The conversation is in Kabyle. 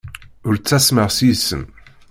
Ur ttasmeɣ seg-went.